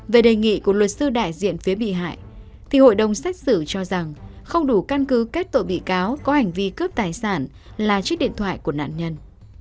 về đề nghị của luật sư đại diện phía bị hại thì hội đồng xét xử cho rằng không đủ căn cứ kết tội bị cáo có hành vi cướp tài sản là chiếc điện thoại của nạn nhân